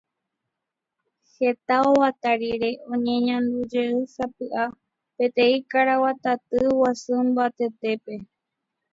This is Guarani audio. Heta oguata rire oñeñandujeýsapy'a peteĩ karaguataty guasu mbytetépe.